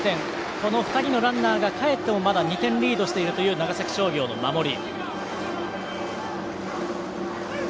この２人のランナーがかえってもまだ２点リードしているという長崎商業の守り。